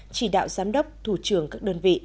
chỉ đạo giám đốc thủ trưởng các đơn vị